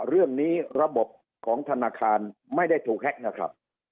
เรื่องนี้ระบบของธนาคารไม่ได้ถูกแฮะ